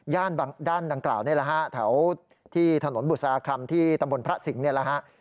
ด้านดังกล่าวนี่แหละฮะแถวที่ถนนบุษราคำที่ตำบลพระสิงห์นี่แหละฮะ